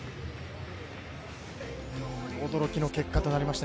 驚きの結果となりました。